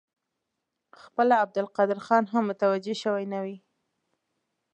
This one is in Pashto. خپله عبدالقادر خان هم متوجه شوی نه وي.